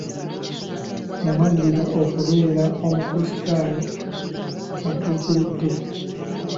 N'amalirira okubeera omukulisitaayo atuukiridde.